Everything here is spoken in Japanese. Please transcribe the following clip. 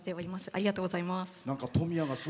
ありがとうございます。